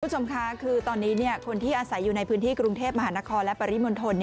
คุณผู้ชมค่ะคือตอนนี้คนที่อาศัยอยู่ในพื้นที่กรุงเทพมหานครและปริมณฑล